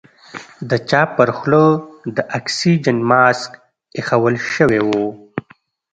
د چا پر خوله د اکسيجن ماسک ايښوول سوى و.